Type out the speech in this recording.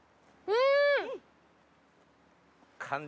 うん！